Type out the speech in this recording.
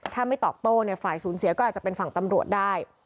ถ้าไม่ตอบโต้ฝ่ายศูนย์เสียก็อาจจะเป็นฝั่งตำรวจได้